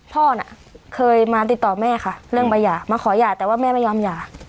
พ่อน่ะเคยมาติดต่อแม่ค่ะเรื่องใบหย่ามาขอหย่าแต่ว่าแม่ไม่ยอมหย่า